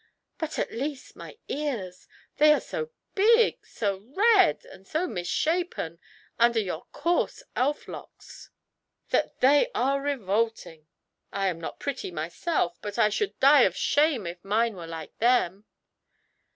"But, at least, my ears " "They are so big, so red, and so misshapen, under your coarse elf locks, that they are revolting. I am not pretty myself, but I should die of shame if mine were like them."